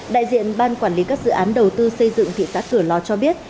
đại diện ban quản lý các dự án đầu tư xây dựng thị xã cửa lò cho biết